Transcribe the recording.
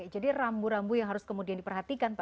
jadi rambu rambu yang harus kemudian diperhatikan